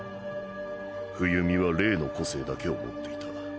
冬美は冷の個性だけを持っていた。